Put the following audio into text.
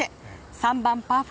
３番、パー４。